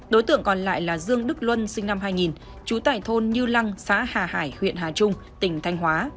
đối tượng còn lại là dương đức luân sinh năm hai nghìn trú tại thôn như lăng xã hà hải huyện hà trung tỉnh thanh hóa